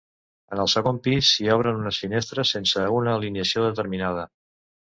En el segon pis s'hi obren unes finestres sense una alineació determinada.